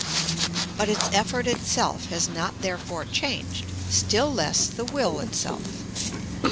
But its effort itself has not therefore changed, still less the will itself.